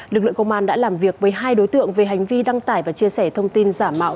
lực lượng công an đã làm việc với hai đối tượng về hành vi đăng tải và chia sẻ thông tin giả mạo